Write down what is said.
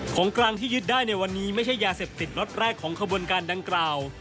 ของกลางที่ยึดได้ในวันนี้ไม่ใช่ยาเสพติดล็อตแรกของขบวนการดังกล่าว